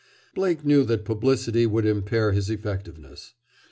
Blake knew that publicity would impair his effectiveness.